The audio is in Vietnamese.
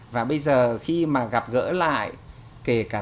và bây giờ khi mà gặp gỡ lại kể cả thế hệ sau này cũng có cái kỷ niệm như vậy